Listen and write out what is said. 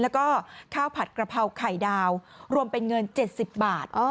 แล้วก็ข้าวผัดกระเพราไข่ดาวรวมเป็นเงิน๗๐บาท